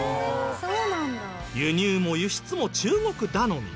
輸入も輸出も中国頼み。